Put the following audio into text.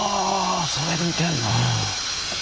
それで見てんの。